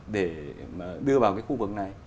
để đưa vào cái khu vực này